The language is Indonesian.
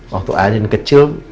waktu adin kecil